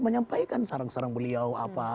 menyampaikan sarang sarang beliau